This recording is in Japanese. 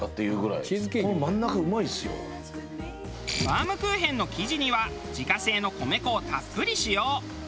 バウムクーヘンの生地には自家製の米粉をたっぷり使用。